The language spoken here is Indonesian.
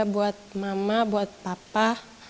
buat mama buat papa